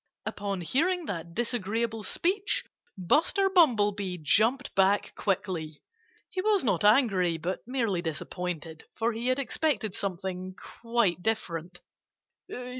Upon hearing that disagreeable speech Buster Bumblebee jumped back quickly. He was not angry but merely disappointed, for he had expected something quite different.